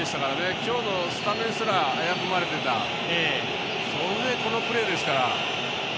今日のスタメンすら危ぶまれてたそれでこのプレーですから。